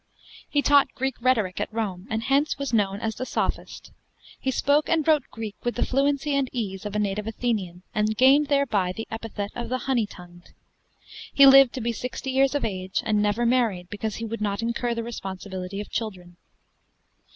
He taught Greek rhetoric at Rome, and hence was known as "the Sophist." He spoke and wrote Greek with the fluency and ease of a native Athenian, and gained thereby the epithet of "the honey tongued". He lived to be sixty years of age, and never married because he would not incur the responsibility of children.